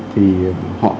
thì họ có